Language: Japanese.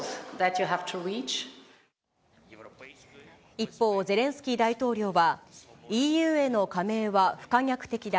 一方、ゼレンスキー大統領は、ＥＵへの加盟は不可逆的だ。